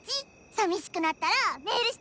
さみしくなったらメールしてね！